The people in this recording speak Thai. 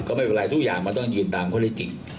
ก็ไม่เป็นไรทุกอย่างมันต้องยืนตามข้อได้จริง